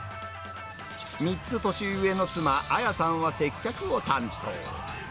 ３つ年上の妻、彩さんは接客を担当。